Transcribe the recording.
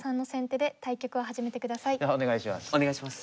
ではお願いします。